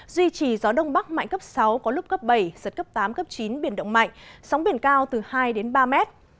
duy trì gió đông bắc mạnh cấp sáu có lúc cấp bảy giật cấp tám cấp chín biển động mạnh sóng biển cao từ hai đến ba mét